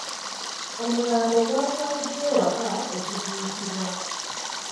Omulambo gwatwaliddwa ewaka okuziikibwa.